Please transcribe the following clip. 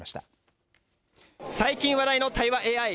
最近話題の対話ＡＩ。